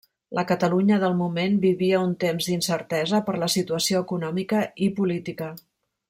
La Catalunya del moment vivia un temps d'incertesa per la situació econòmica i política.